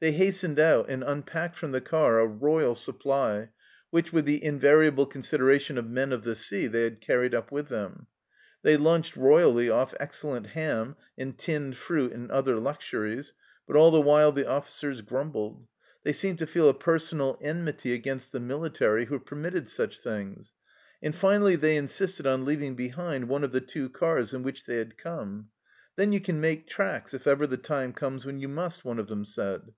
They hastened out, and unpacked from the car a royal supply, which, with the invariable considera tion of men of the sea, they had carried up with them. They lunched royally off excellent ham, and tinned fruit, and other luxuries, but all the while the officers grumbled : they seemed to feel a personal enmity against the military who permitted such things. And finally they insisted on leaving behind one of the two cars in which they had come. " Then you can make tracks, if ever the time comes when you must," one of them said.